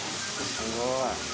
すごい。